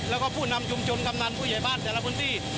แล้วก็ผู้นำชุมชนกำนันผู้ใหญ่บ้านแต่ละพื้นที่